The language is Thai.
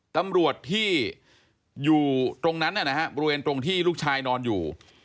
ตำรวจที่อยู่ตรงนั้นนะฮะบริเวณตรงที่ลูกชายนอนอยู่